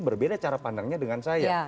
berbeda cara pandangnya dengan saya